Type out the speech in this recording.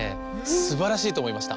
すばらしいとおもいました！